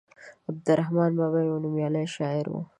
عبدالرحمان بابا يو نوميالی شاعر وو.